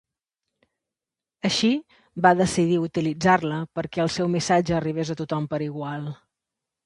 Així, va decidir utilitzar-la perquè el seu missatge arribés a tothom per igual.